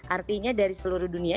artinya dari seluruh dunia